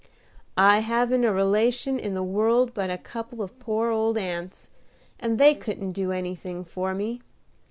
"I haven't a relation in the world but a couple of poor old aunts, and they couldn't do anything for me.